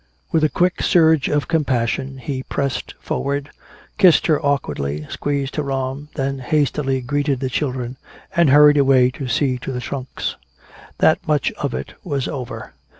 With a quick surge of compassion he pressed forward, kissed her awkwardly, squeezed her arm, then hastily greeted the children and hurried away to see to the trunks. That much of it was over.